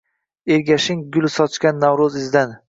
Ergashing gul sochgan Navro’z izidan.